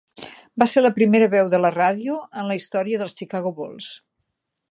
Va ser la primera veu de la ràdio en la història dels Chicago Bulls.